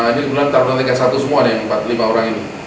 ini sebenarnya tiga empat orang ini